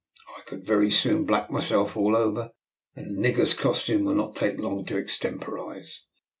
I could very soon black myself all over, and a nigger's costume will not take long to extemporise.